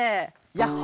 ヤッホ！